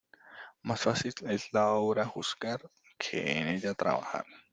Más fácil es la obra juzgar que en ella trabajar.